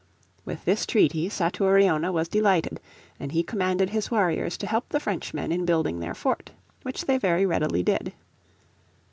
With this treaty Satouriona was delighted, and he commanded his warriors to help the Frenchmen in building their fort, which they very readily did.